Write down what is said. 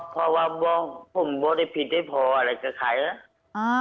เพราะว่าบอกผมบอกได้ผิดให้พออะไรกับใครล่ะอ่า